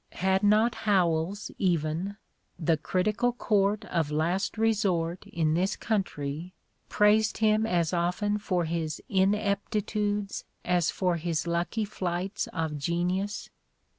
Had not Howells even, the "Critical Court of Last Eesort in this country," praised him as often for his ineptitudes as for his lucky flights of genius?